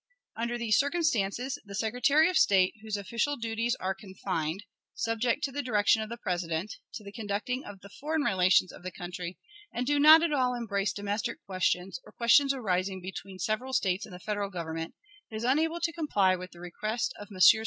Under these circumstances, the Secretary of State, whose official duties are confined, subject to the direction of the President, to the conducting of the foreign relations of the country, and do not at all embrace domestic questions, or questions arising between the several States and the Federal Government, is unable to comply with the request of Messrs.